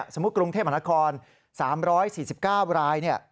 กรุงเทพมหานคร๓๔๙ราย